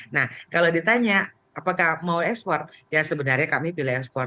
nah kalau ditanya apakah mau ekspor ya sebenarnya kami pilih ekspor